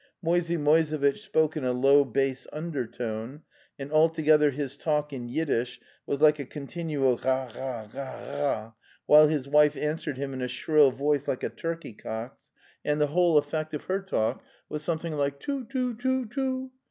Moisey Moisevitch spoke in a low bass undertone, and altogether his talk in Yiddish was like a continual ' ghaal ghaal ghaal ghaal, " while his wife answered him in a shrill voice like a turkeycock's, and the whole effect of The Steppe 201 her talk was something like '' Too too too too!"